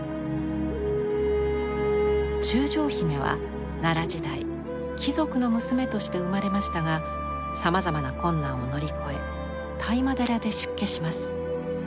中将姫は奈良時代貴族の娘として生まれましたがさまざまな困難を乗り越え當麻寺で出家します。